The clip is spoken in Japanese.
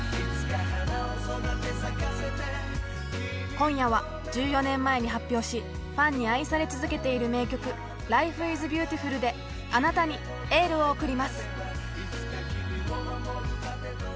今夜は１４年前に発表しファンに愛され続けている名曲「ライフイズビューティフル」であなたにエールを送ります。